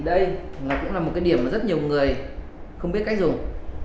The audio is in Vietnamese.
đây là một điểm mà rất nhiều người không biết cách dùng